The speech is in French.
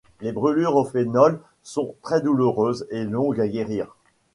Les brûlures au phénol sont très douloureuses et longues à guérir.